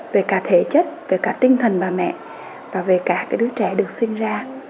về cả thể chất về cả tinh thần bà mẹ và về cả cái đứa trẻ được sinh ra